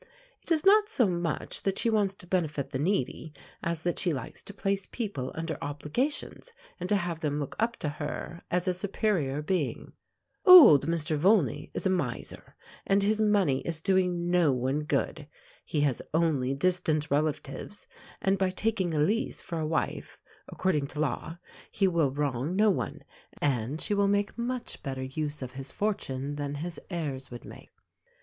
It is not so much that she wants to benefit the needy, as that she likes to place people under obligations and to have them look up to her as a superior being. Old Mr. Volney is a miser, and his money is doing no one good. He has only distant relatives, and by taking Elise for a wife (according to law) he will wrong no one, and she will make much better use of his fortune than his heirs would make.